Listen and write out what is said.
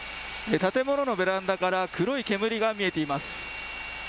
建物のベランダから黒い煙が見えています。